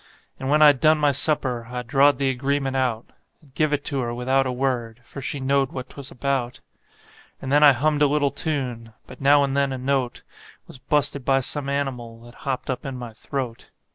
And when I'd done my supper I drawed the agreement out, And give it to her without a word, for she knowed what 'twas about; And then I hummed a little tune, but now and then a note Was bu'sted by some animal that hopped up in my throat.